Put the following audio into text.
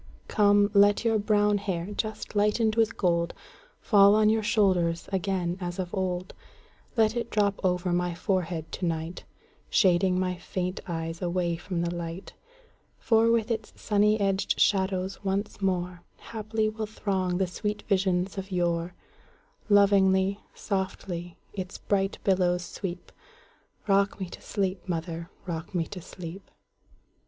Come, let your brown hair, just lighted with gold, Fall on your shoulders again as of old; Let it drop over my forehead to night, Shading my faint eyes away from the light; For with its sunny edged shadows once moreHaply will throng the sweet visions of yore; Lovingly, softly, its bright billows sweep;—Rock me to sleep, mother,—rock me to sleep!